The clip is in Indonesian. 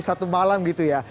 satu malam gitu ya